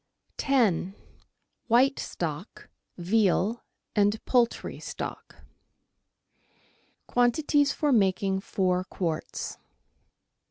,0— WHITE STOCK, VEAL AND POULTRY STOCK Quantities for making Four Quarts.